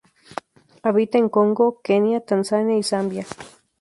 Habita en Congo, Kenia, Tanzania y Zambia.